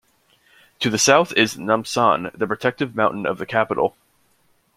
To the south is Namsan, the protective mountain of the capital.